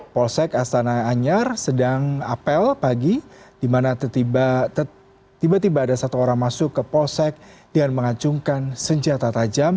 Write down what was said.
polsek astana anyar sedang apel pagi di mana tiba tiba ada satu orang masuk ke polsek dengan mengacungkan senjata tajam